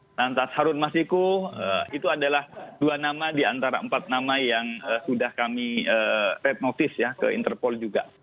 ya paulus thanos tantas harun masiku itu adalah dua nama di antara empat nama yang sudah kami red notice ya ke indonesia